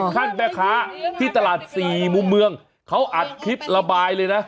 แม่ค้าที่ตลาดสี่มุมเมืองเขาอัดคลิประบายเลยนะ